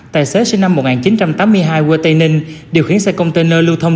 tài xế sinh năm một nghìn chín trăm tám mươi hai quê tây ninh điều khiển xe container lưu thông